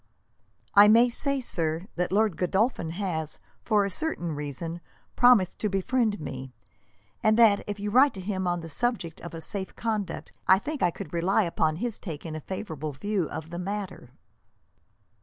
"I may say, sir, that Lord Godolphin has, for a certain reason, promised to befriend me; and that, if you write to him on the subject of a safe conduct, I think I could rely upon his taking a favourable view of the matter."